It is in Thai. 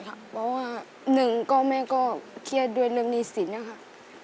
เพราะว่าหนึ่งค่ะแหมเธอก็เคลียดด้วยเรื่องนี้สินะครับ